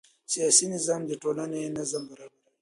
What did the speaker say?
سیاسي نظام د ټولنې نظم برابروي